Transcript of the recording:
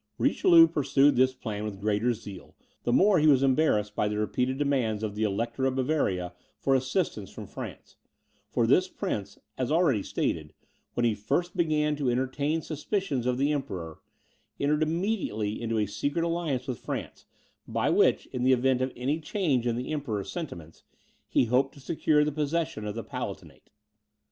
Richelieu pursued this plan with greater zeal, the more he was embarrassed by the repeated demands of the Elector of Bavaria for assistance from France; for this prince, as already stated, when he first began to entertain suspicions of the Emperor, entered immediately into a secret alliance with France, by which, in the event of any change in the Emperor's sentiments, he hoped to secure the possession of the Palatinate.